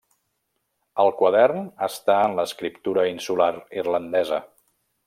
El quadern està en l'escriptura insular irlandesa.